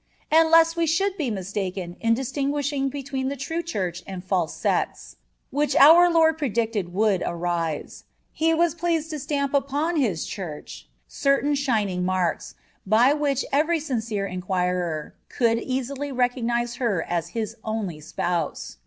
(14) And lest we should be mistaken in distinguishing between the true Church and false sects, which our Lord predicted would arise, He was pleased to stamp upon His Church certain shining marks, by which every sincere inquirer could easily recognize her as His only Spouse.